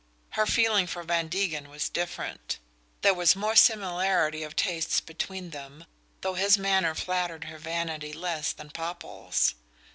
Her feeling for Van Degen was different. There was more similarity of tastes between them, though his manner flattered her vanity less than Popple's.